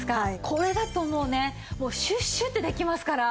これだともうねシュッシュッてできますから。